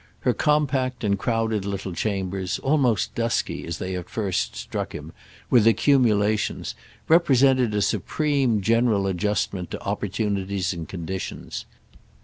Her compact and crowded little chambers, almost dusky, as they at first struck him, with accumulations, represented a supreme general adjustment to opportunities and conditions.